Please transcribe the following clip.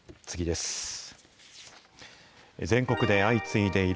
次です。